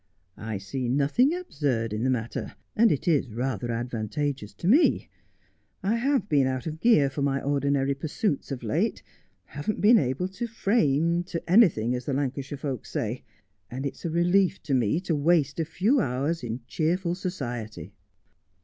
' I see nothing absurd in the matter, and it is rather advan tageous to me. I have been out of gear for my ordinary pursuits of late, haven't been able to " frame " to anything, as the Lan cashire folks say ; and it is a relief to me to waste a few hours in cheerful society.'